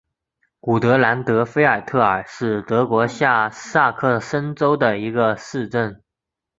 古德兰德菲尔特尔是德国下萨克森州的一个市镇。